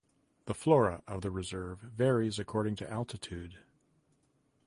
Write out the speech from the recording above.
The flora of the reserve varies according to altitude.